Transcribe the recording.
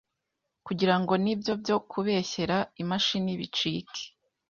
kugirango n’ibyo byo kubeshyera imashini bicike